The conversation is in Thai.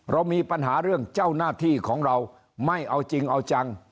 เรามีปัญหาเรื่องเจ้าหน้าที่ของเราไม่เอาจริงเอาจัง